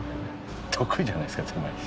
得意じゃないですか狭いの。